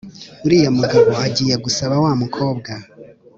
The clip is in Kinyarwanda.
Uriya mugabo agiye gusaba wa mukobwa